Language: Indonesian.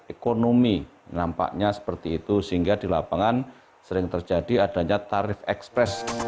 ekonomi nampaknya seperti itu sehingga di lapangan sering terjadi adanya tarif ekspres